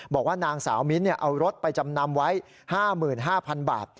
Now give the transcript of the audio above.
บอกว่านางสาวมิ้นเอารถไปจำนำไว้๕๕๐๐๐บาท